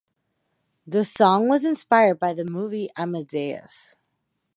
The song was inspired by the movie "Amadeus".